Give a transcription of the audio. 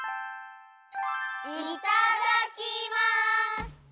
いただきます！